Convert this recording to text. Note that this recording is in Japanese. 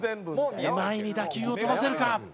前に打球を飛ばせるか？